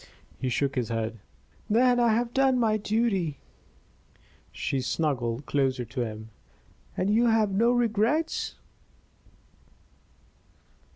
He shook his head. "Then I have done my duty!" She snuggled closer to him. "And you have no regrets?"